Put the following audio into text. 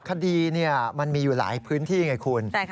คดีมันมีอยู่หลายพื้นที่ไงคุณ